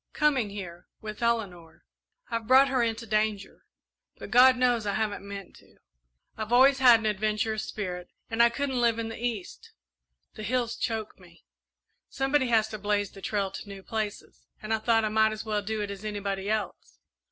"Coming here with Eleanor. I've brought her into danger, but God knows I haven't meant to. I've always had an adventurous spirit, and I couldn't live in the East the hills choke me. Somebody has to blaze the trail to the new places, and I thought I might as well do it as anybody else.